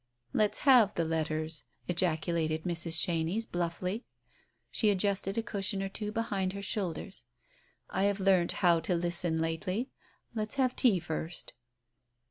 "Let's have the letters," ejaculated Mrs. Chenies bluffly. She adjusted a cushion or two behind her shoulders. "I have learnt how to listen lately. Let's have tea first."